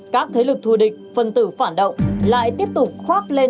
các thế lực thù địch phân tử phản động lại tiếp tục khoác lên